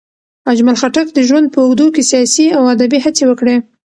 اجمل خټک د ژوند په اوږدو کې سیاسي او ادبي هڅې وکړې.